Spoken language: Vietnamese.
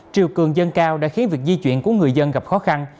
triều cường dân cao đã khiến việc di chuyển của người dân gặp khó khăn